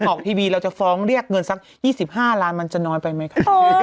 ออกทีวีเราจะฟ้องเรียกเงินสัก๒๕ล้านมันจะน้อยไปไหมคะ